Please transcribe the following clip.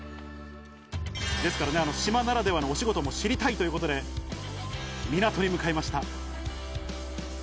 ですから島ならではのお仕事も知りたいということで、港に向かいました。